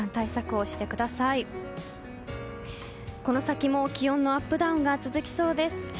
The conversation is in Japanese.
この先も気温のアップダウンが続きそうです。